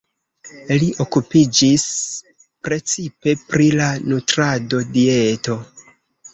Li okupiĝis precipe pri la nutrado-dieto.